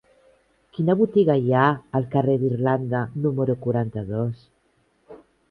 Quina botiga hi ha al carrer d'Irlanda número quaranta-dos?